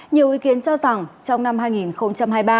nhiều ý kiến cho rằng trong năm hai nghìn hai mươi ba